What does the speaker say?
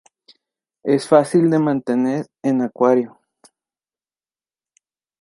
Es fácil de mantener en acuario.